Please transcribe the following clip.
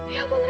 ya ampun reina